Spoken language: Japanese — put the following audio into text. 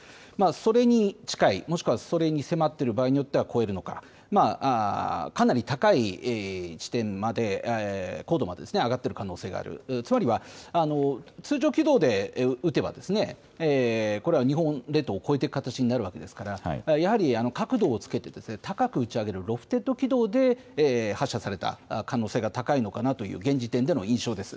それに近いもしくはそれに迫っている、場合によっては超えるのかかなり高い地点まで、高度まで上がっていく可能性がある、つまりは通常軌道で撃てば、これは日本列島を越えていくかたちになるわけですからやはり角度をつけて高く打ち上げるロフテッド軌道で発射された可能性が高いのかなと現時点での印象です